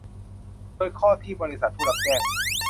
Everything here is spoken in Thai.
โดยข้อที่บริษัทผู้รับแจ้ง